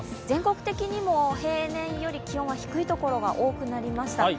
全国的にも平年より気温が低い所が多くなりました。